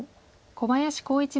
小林光一